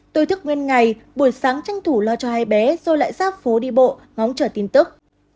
tôi thức nguyên ngày buổi sáng tranh thủ lo cho hai bé rồi lại xác phố đi bộ ngóng trở tin tức